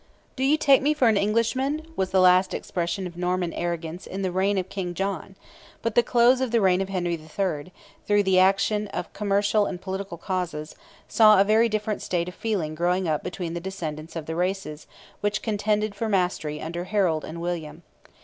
"Do you take me for an Englishman?" was the last expression of Norman arrogance in the reign of King John; but the close of the reign of Henry III., through the action of commercial and political causes, saw a very different state of feeling growing up between the descendants of the races which contended for mastery under Harold and William.